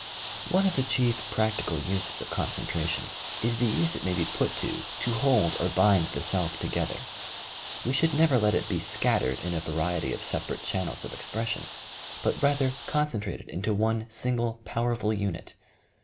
One of the chief practical uses of concentra tion is the use it may be put to to hold or bind the self together. We should never let it be scattered in a va riety of separate channels of expression, but rather con centrated into one single, powerful unit.